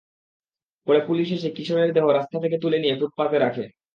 পরে পুলিশ এসে কিশোরের দেহ রাস্তা থেকে তুলে নিয়ে ফুটপাতে রাখে।